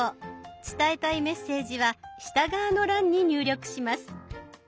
伝えたいメッセージは下側の欄に入力します。